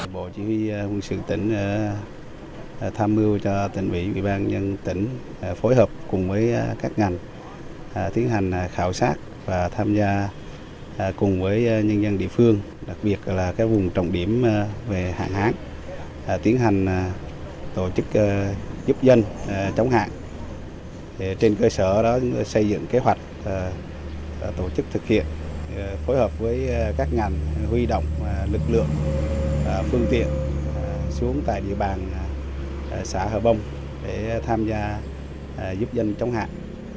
bộ chỉ huy quân sự tỉnh đã huy động nhiều cán bộ chiến sĩ và phương tiện của các đơn vị trên địa bàn tham gia giúp dân chống hạn